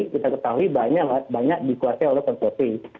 kita ketahui banyak dikuasai oleh konvoy